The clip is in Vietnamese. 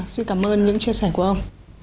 xin cảm ơn những chia sẻ của ông